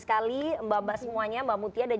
sekali mbak mbak semuanya mbak mutia dan